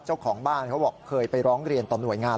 เจ้าของบ้านเขาบอกเคยไปร้องเรียนต่อหน่วยงาน